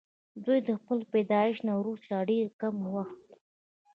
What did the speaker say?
دوي د خپل پيدائش نه وروستو ډېر کم وخت